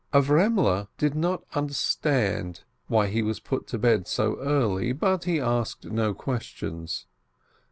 Avremele did not understand why he was put to bed so early, but he asked no questions.